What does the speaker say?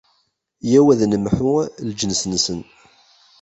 Yyaw ad nemḥu lǧens-nsen.